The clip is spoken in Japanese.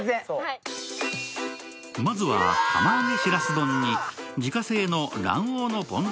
まずは釜揚げしらす丼に自家製の卵黄のぽん酢